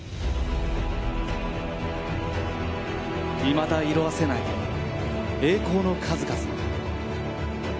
いまだ色あせない栄光の数々。